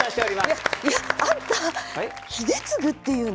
いやいやあんた英嗣っていうの？